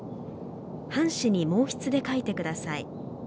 半紙に毛筆で書いてください。